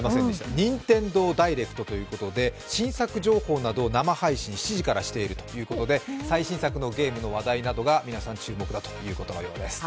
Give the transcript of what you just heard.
任天堂ダイレクトで新作情報などを生配信、７時からしているということで、最新作のゲームの話題などが皆さん注目だということです。